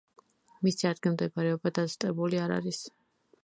მისი ადგილმდებარეობა დაზუსტებული არ არის.